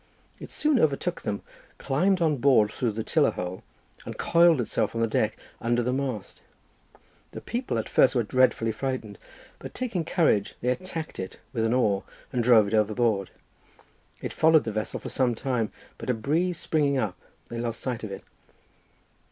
It soon overtook them, climbed on board through the tiller hole, and coiled itself on the deck under the mast—the people at first were dreadfully frightened, but taking courage they attacked it with an oar and drove it overboard; it followed the vessel for some time but a breeze springing up they lost sight of it."